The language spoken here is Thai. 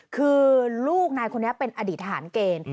คือลูกนายคนนี้เป็นอดีตทหารเกณฑ์